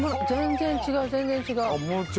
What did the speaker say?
全然違う全然違う。